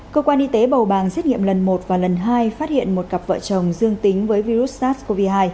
cơ quan y tế bầu bàng xét nghiệm lần một và lần hai phát hiện một cặp vợ chồng dương tính với virus sars cov hai